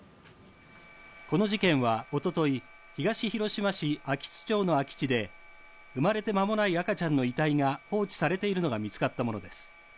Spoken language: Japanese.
この事件はおととい、東広島市安芸津町の空き地で生まれて間もない赤ちゃんの遺体が放置されているのが見つかったものです。